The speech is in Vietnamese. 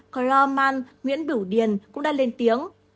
carl mann nguyễn bửu điền cũng đã lên tiếng